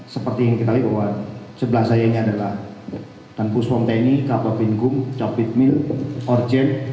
seperti yang kita lihat bahwa sebelah saya ini adalah dan puspom tni kapal bingkung jump it mill orjen